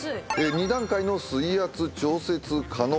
２段階の水圧調節可能。